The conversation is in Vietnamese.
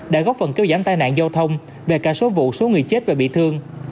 đã góp phần kéo giảm tai nạn giao thông về cả số vụ số người chết và bị thương